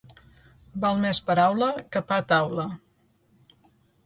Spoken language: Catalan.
Val més paraula que pa a taula.